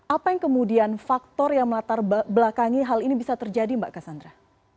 apa yang kemudian faktor yang melatar belakangi hal ini bisa terjadi mbak cassandra